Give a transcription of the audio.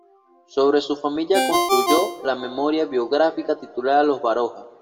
Sobre su familia construyó la memoria biográfica titulada "Los Baroja".